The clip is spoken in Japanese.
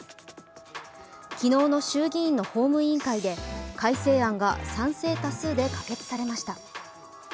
昨日の衆議院の法務委員会で改正案が賛成多数で可決されました。